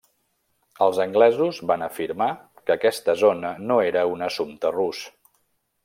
Els anglesos van afirmar que aquesta zona no era un assumpte rus.